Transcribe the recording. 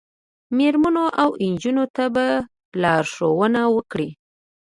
میرمنو او نجونو ته به لارښوونه وکړي